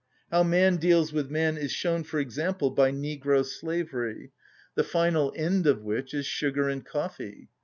How man deals with man is shown, for example, by negro slavery, the final end of which is sugar and coffee.